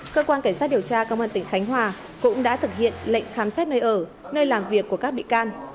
cơ quan cảnh sát điều tra công an tỉnh khánh hòa cũng đã thực hiện lệnh khám xét nơi ở nơi làm việc của các bị can